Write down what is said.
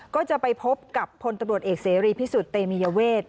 ก็จะไปพบกับพลตำรวจเอกเสรีพิสุทธิ์เตมียเวท